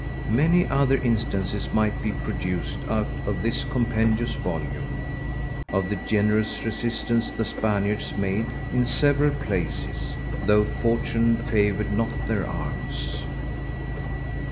Many other instances might be produced out of this compendious Volume, of the generous resistance the_ Spaniards _made in several places, though Fortune favoured not their Arms.